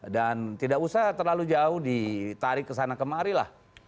dan tidak usah terlalu jauh ditarik ke sana kemarilah